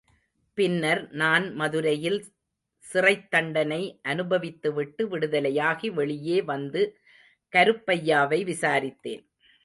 பின்னர் நான் மதுரையில் சிறைத் தண்டனை அனுபவித்துவிட்டு விடுதலையாகி வெளியே வந்து கருப்பையாவை விசாரித்தேன்.